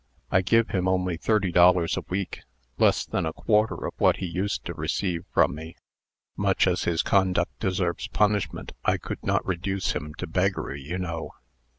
I give him only thirty dollars a week less than a quarter of what he used to receive from me. Much as his conduct deserves punishment, I could not reduce him to beggary, you know."